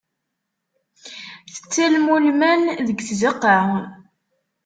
Tettalem ulman deg tzeqqa.